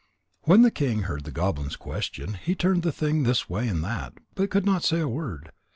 When the king heard the goblin's question, he turned the thing this way and that, but could not say a word.